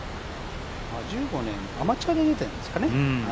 １５年、アマチュアで出ているんですかね。